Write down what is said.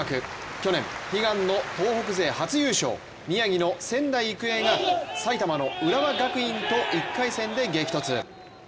去年悲願の東北勢初優勝、宮城の仙台育英が埼玉の浦和学院と１回戦で激突。